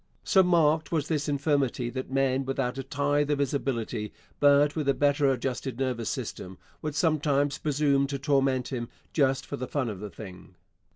So marked was this infirmity that men without a tithe of his ability, but with a better adjusted nervous system, would sometimes presume to torment him just for the fun of the thing.